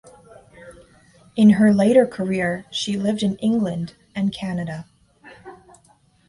In her later career she lived in England and Canada.